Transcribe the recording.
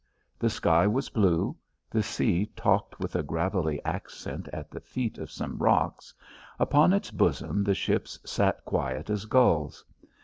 The sky was blue; the sea talked with a gravelly accent at the feet of some rocks; upon its bosom the ships sat quiet as gulls.